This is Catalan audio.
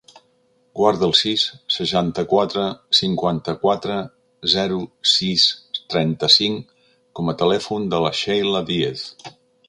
Guarda el sis, seixanta-quatre, cinquanta-quatre, zero, sis, trenta-cinc com a telèfon de la Sheila Diez.